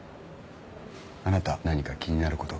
あなた何か気になることが？